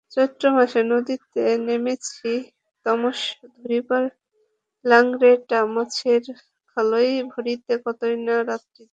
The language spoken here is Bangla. চৈত্র মাসে নদীতে নেমেছি মত্স্য ধরিবার লাগিটেংরা মাছে খালই ভরেছি কত-না রাত্রি জাগি।